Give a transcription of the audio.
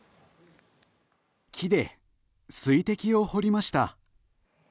木で水滴を彫りました。